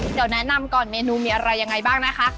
เดี๋ยวแนะนำก่อนเมนูมีอะไรยังไงบ้างนะคะ